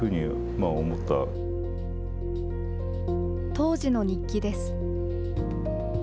当時の日記です。